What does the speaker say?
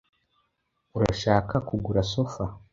urashaka kugura sofa.